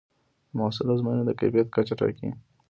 د محصول ازموینه د کیفیت کچه ټاکي.